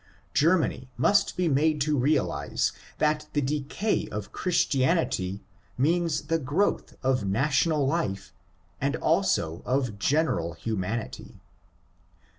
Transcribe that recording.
Germany must be made to realize that the decay of Christianity means the growth of national life, and also of general humanity.